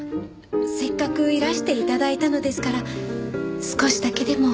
せっかくいらして頂いたのですから少しだけでも。